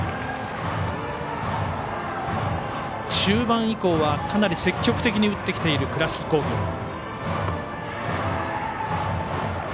中盤以降は、かなり積極的に打ってきている倉敷工業。